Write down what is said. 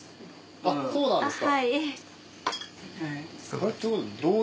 あっそうなんですか。